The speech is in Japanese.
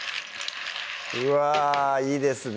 うわぁいいですね